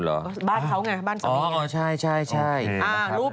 สนับสนุนโดยดีที่สุดคือการให้ไม่สิ้นสุด